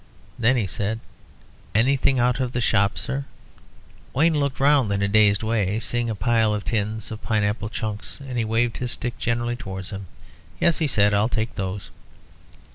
Then he said "Anything out of the shop, sir?" Wayne looked round in a dazed way. Seeing a pile of tins of pine apple chunks, he waved his stick generally towards them. "Yes," he said; "I'll take those."